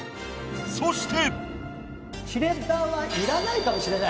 そして。